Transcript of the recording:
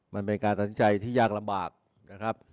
มันเป็นการตัดสินใจที่ยากลำบากนะครับ